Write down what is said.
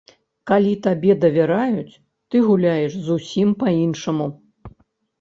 Калі табе давяраюць, ты гуляеш зусім па-іншаму.